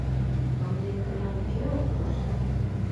Ынде мемнам кӧ ок вурсо